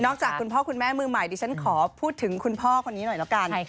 จากคุณพ่อคุณแม่มือใหม่ดิฉันขอพูดถึงคุณพ่อคนนี้หน่อยแล้วกัน